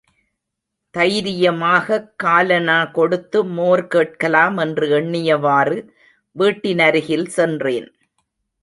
தைரியமாகக் காலனா கொடுத்து மோர் கேட்கலாம் என்று எண்ணியவாறு, வீட்டினருகில் சென்றேன்.